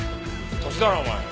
年だろお前。